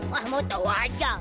wah mau tahu aja